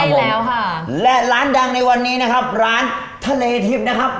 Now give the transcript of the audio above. ใช่แล้วค่ะและร้านดังในวันนี้นะครับร้านทะเลทิพย์นะครับ